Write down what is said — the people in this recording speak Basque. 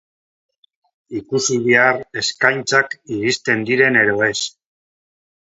Ikusi behar eskaintzak iristen diren edo ez.